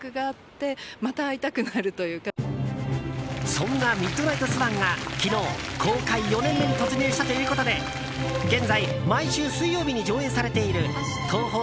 そんな「ミッドナイトスワン」が昨日、公開４年目に突入したということで現在、毎週水曜日に上映されているＴＯＨＯ